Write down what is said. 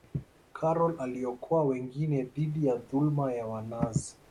Karol aliokoa wengine dhidi ya dhuluma ya wanazi